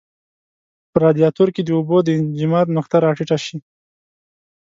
په رادیاتور کې د اوبو د انجماد نقطه را ټیټه شي.